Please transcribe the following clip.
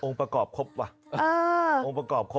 องค์ประกอบพร้อม